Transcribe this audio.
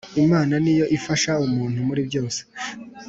imana niyo ifasha umuntu muri byose